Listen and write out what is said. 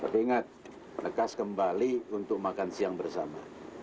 tapi ingat menekas kembali untuk makan siang bersama